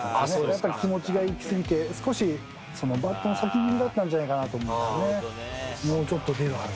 やっぱり気持ちがいき過ぎて、少しバットの先気味だったんじゃないですかね。